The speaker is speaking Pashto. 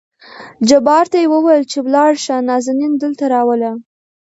جبار ته يې ووېل چې ولاړ شه نازنين دلته راوله.